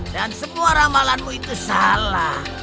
dan semua ramalanmu itu salah